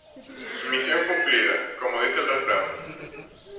Misión cumplida, como dice el refrán.